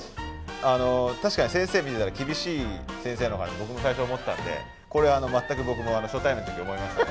あの確かに先生見てたら厳しい先生なのかと僕も最初思ったんでこれ全く僕も初対面の時思いましたね。